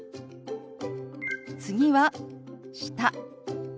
次は「下」。